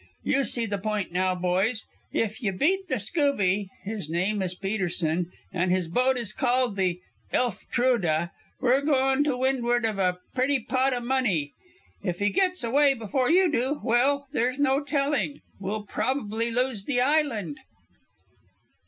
You see the point now, boys. If ye beat the scoovy his name is Petersen, and his boat is called the Elftruda we're to the wind'ard of a pretty pot o' money. If he gets away before you do well, there's no telling; we prob'ly lose the island."